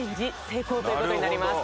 成功という事になります。